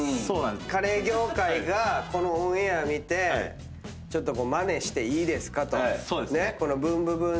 カレー業界がこのオンエアを見てちょっとまねしていいですかと『ブンブブーン！』